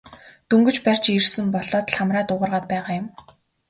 Дөнгөж барьж ирсэн болоод л хамраа дуугаргаад байгаа юм.